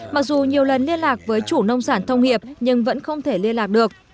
mặc dù nhiều lần liên lạc với chủ nông sản thông hiệp nhưng vẫn không thể liên lạc được